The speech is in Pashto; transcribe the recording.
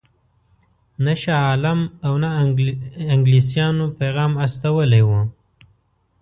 نه شاه عالم او نه انګلیسیانو پیغام استولی وو.